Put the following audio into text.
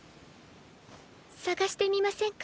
捜してみませんか？